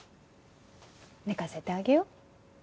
寝かせてあげよう。